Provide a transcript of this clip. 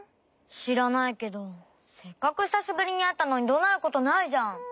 しらないけどせっかくひさしぶりにあったのにどなることないじゃん！